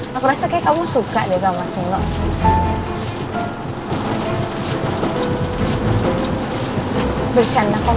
terus waktu kamu pingsan dia ngapain kamu